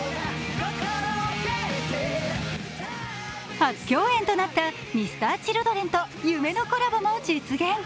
初共演となったＭｒ．Ｃｈｉｌｄｒｅｎと夢のコラボも実現。